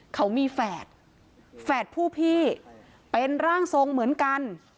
เขามีแฝดแฝดผู้พี่เป็นร่างทรงเหมือนกัน